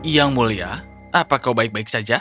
yang mulia apa kau baik baik saja